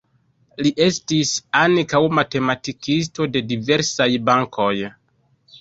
Li estis ankaŭ matematikisto de diversaj bankoj.